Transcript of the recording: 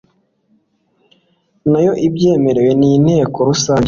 nayo ibyemerewe n inteko rusange